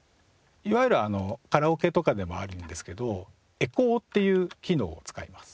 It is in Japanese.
いわゆるカラオケとかでもあるんですけどエコーっていう機能を使います。